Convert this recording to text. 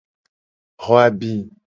Xo abi.